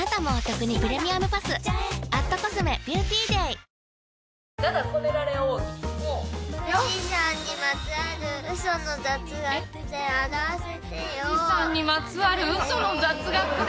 富士山にまつわるウソの雑学で？